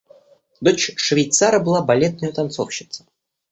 Дочь швейцара была балетная танцовщица.